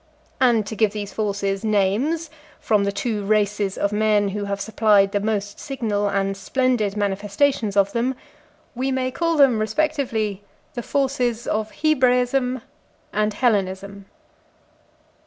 And to give these forces names from the two races of men who have supplied the most signal and splendid manifestations of them, we may call them respectively the forces of Hebraism and Hellenism.